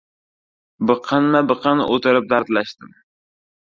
Biqinma-biqin o‘tirib dardlashdim.